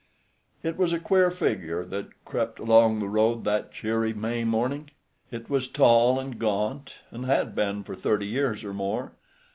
It was a queer figure that crept along the road that cheery May morning. It was tall and gaunt, and had been for thirty years or more.